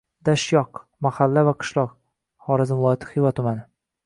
Dashyoq – mahalla va qishloq. Xorazm viloyati Xiva tumani.